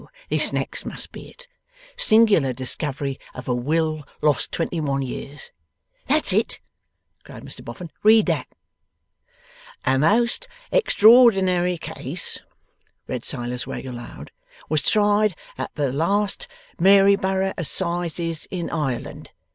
This next must be it. "Singular discovery of a will, lost twenty one years."' 'That's it!' cried Mr Boffin. 'Read that.' '"A most extraordinary case,"' read Silas Wegg aloud, '"was tried at the last Maryborough assizes in Ireland.